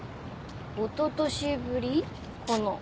おととしぶり？かな。